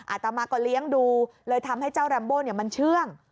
อาตมาก็เลี้ยงดูเลยทำให้เจ้าแรมโบมันเชื่อง